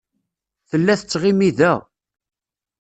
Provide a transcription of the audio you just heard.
Tella tettɣimi da.